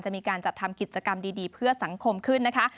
มีการจัดทำกิจกรรมดีเพื่อสังคมขึ้นนะคะ